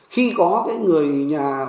khi có cái người nhà